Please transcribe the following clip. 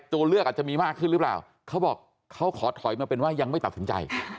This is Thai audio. ตัวเลือกอาจจะมีมากขึ้นหรือเปล่าเขาบอกเขาขอถอยมาเป็นว่ายังไม่ตัดสินใจ